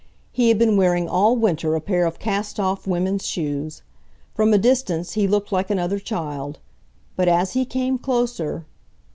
He had been wearing all winter a pair of cast off women's shoes. From a distance he looked like another child. But as he came closer